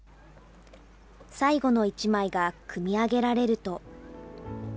最後の１枚が組み上げられると。